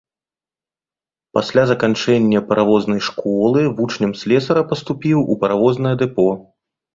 Пасля заканчэння паравознай школы, вучнем слесара паступіў у паравознае дэпо.